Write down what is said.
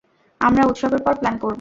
আমরা উৎসবের পর প্ল্যান করব।